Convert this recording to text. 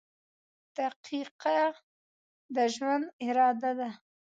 • دقیقه د ژوند اراده ده.